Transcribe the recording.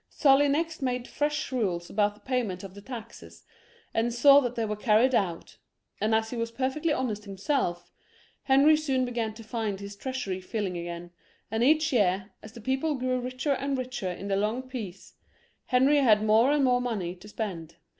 Sully next made fresh rules about the payment of the taxes, and saw that they were carried out ; and as he was perfectly honest himself, Henry soon began to find his treasury filling again, and each year, as the people grew richer and richer in the long peace, Henry had more and more money to spend.